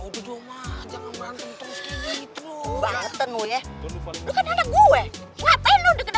lu kan anak gue ngapain lu udah kedeketin dia